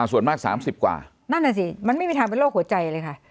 ส่วนมาก๓๐กว่านั่นน่ะสิมันไม่มีทางเป็นโรคหัวใจเลยค่ะ